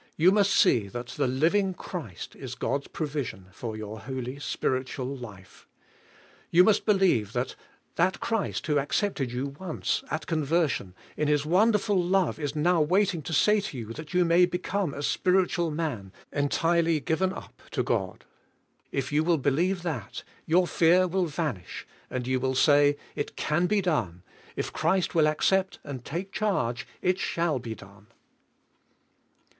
You must see that the living Christ is God's provision ^or your holy, spiritual life. You must believe that that Christ who accepted you once, at conversion, in His wonderful love is now waiting to say to you that you may become a spiritual man, entirely given up to God. If you will believe that, your fear will vanish and you will say: "It can be done; if Christ will accept and take charge, it shall be done."